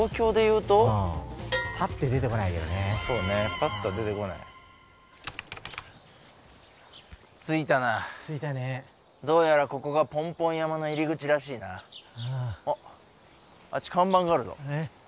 パっと出てこない着いたな着いたねどうやらここがポンポン山の入口らしいなあっあっち看板があるぞえっ？